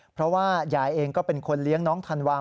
เพราะว่ายายเองก็เป็นคนเลี้ยงน้องธันวา